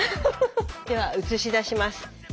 では映し出します。